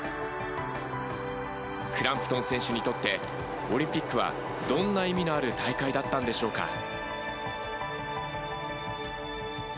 クランプトン選手にとってオリンピックはどんな意味のある大会だったんでしょうか。